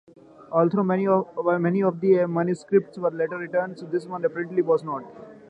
Although many of the manuscripts were later returned, this one apparently was not.